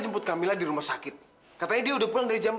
apalagi proper jadi orang lain